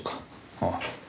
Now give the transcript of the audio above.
ああ。